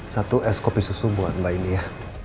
satu es kopi susu buat mbak ini ya